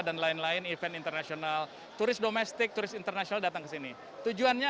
dan lain lain event internasional turis domestik terus internasional datang ke sini tujuannya